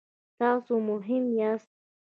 تاسو مهم یاست